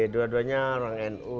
dua duanya orang nu